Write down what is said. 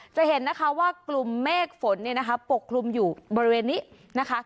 จะเห็นนะคะว่ากลุ่มเมฆฝนเนี่ยนะคะปกคลุมอยู่บริเวณนี้นะคะ